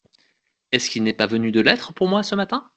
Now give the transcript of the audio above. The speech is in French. Est-ce qu’il n’est pas venu de lettre pour moi, ce matin ?